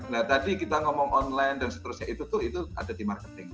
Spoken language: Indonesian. nah tadi kita ngomong online dan seterusnya itu tuh ada di marketing